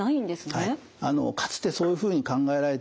はい。